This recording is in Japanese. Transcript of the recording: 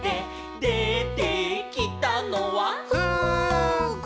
「でてきたのは」「ふーぐ」